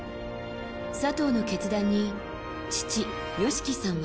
佐藤の決断に、父・芳樹さんは。